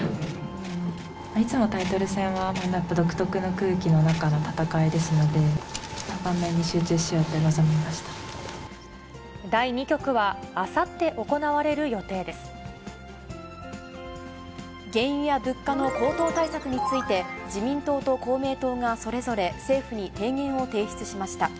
いつもタイトル戦は独特な空気の中の戦いですので、第２局は、あさって行われる原油や物価の高騰対策について、自民党と公明党がそれぞれ、政府に提言を提出しました。